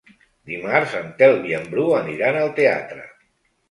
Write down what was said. Dimarts en Telm i en Bru aniran al teatre.